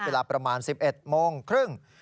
เวลาประมาณ๑๑โมงครึ่ง